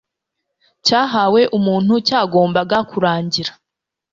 cyahawe umuntu cyagombaga kurangira